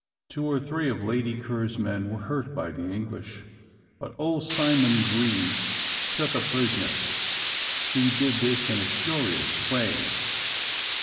Two or three of Lady Ker's men were hurt by the English, but old Simon Grieve took a prisoner. He did this in a curious way.